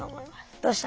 どうした？